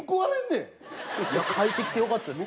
いや描いてきてよかったです。